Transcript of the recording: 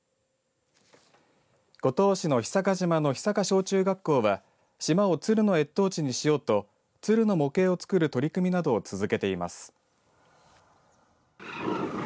五島市の久賀島の久賀小中学校は島を鶴の越冬地にしようと鶴の模型を作る取り組みなどを続けています。